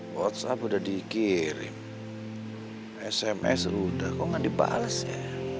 whatsapp udah dikirim sms udah kok nggak dibales ya